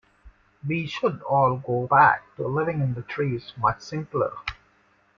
We should all go back to living in the trees, much simpler.